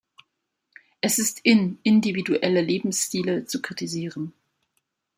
Es ist in, individuelle Lebensstile zu kritisieren.